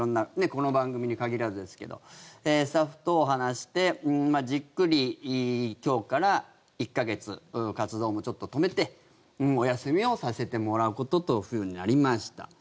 この番組に限らずですけどスタッフと話してじっくり今日から１か月活動もちょっと止めてお休みをさせてもらうこととなりました。